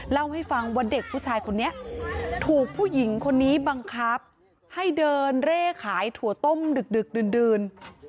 เล่าให้ฟังว่าเด็กผู้ชายคนนี้ถูกผู้หญิงคนนี้บังคับให้เดินเร่ขายถั่วต้มดึกดื่น